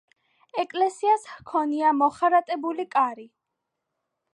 ეკლესიას ჰქონია მოხარატებული კარი.